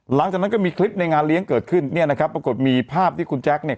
หลังจากนั้นก็มีคลิปในงานเลี้ยงเกิดขึ้นเนี่ยนะครับปรากฏมีภาพที่คุณแจ๊คเนี่ย